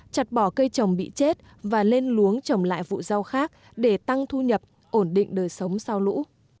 chặt bỏ cây trồng bị chết và lên luống trồng lại vụ rau khác để tăng thu nhập ổn định đời sống sau lũ